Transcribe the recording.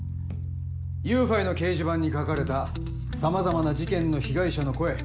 ＹｏｕＦｉの掲示板に書かれた様々な事件の被害者の声。